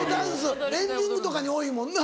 エンディングとかに多いもんな。